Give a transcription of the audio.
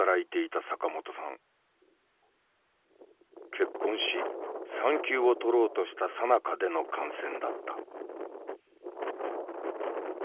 結婚し産休を取ろうとしたさなかでの感染だった。